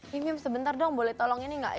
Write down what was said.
gempy sebentar dong boleh tolong ini gak